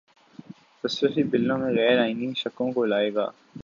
تصرفی بِلوں میں غیرآئینی شقوں کو لائے گا